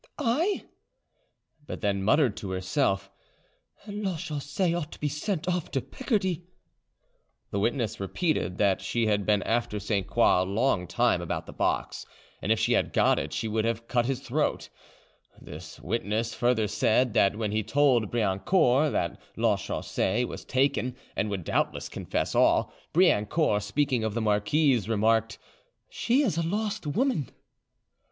I?" but then muttered to herself: "Lachaussee ought to be sent off to Picardy." The witness repeated that she had been after Sainte Croix along time about the box, and if she had got it she would have had his throat cut. The witness further said that when he told Briancourt that Lachaussee was taken and would doubtless confess all, Briancourt, speaking of the marquise, remarked, "She is a lost woman."